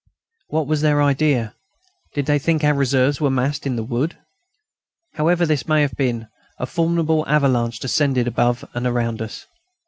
What was their idea? Did they think our reserves were massed in the wood? However this may have been, a formidable avalanche descended above and around us.